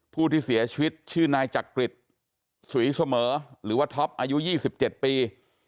ผู้ที่เสียชีวิตชื่อนายจักริตสุยเสมอหรือว่าท็อปอายุ๒๗ปี